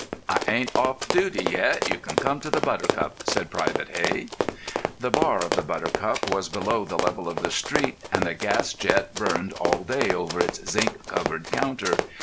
"I ain't off duty yet; you can come to the Buttercup," said Private Hey. The bar of the Buttercup was below the level of the street, and a gas jet burned all day over its zinc covered counter.